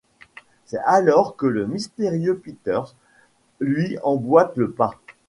C'est alors que le mystérieux Peters lui emboîte le pas...